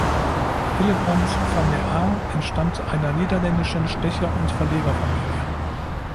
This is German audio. Hillebrand van der Aa entstammte einer niederländischen Stecher- und Verlegerfamilie.